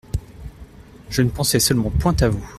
Je ne pensais seulement point à vous.